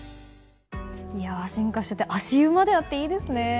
進化していて足湯まであっていいですね。